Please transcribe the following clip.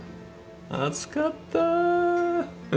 暑かった。